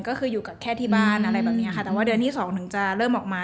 ก็คืออยู่กับแค่ที่บ้านอะไรแบบเนี้ยค่ะแต่ว่าเดือนที่สองถึงจะเริ่มออกมา